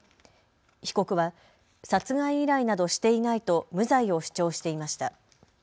被告は殺害依頼などしていないと無罪を主張していました。